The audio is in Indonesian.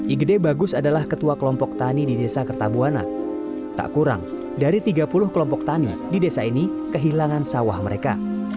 igede bagus adalah ketua kelompok tani di desa kertabuana tak kurang dari tiga puluh kelompok tani di desa ini kehilangan sawah mereka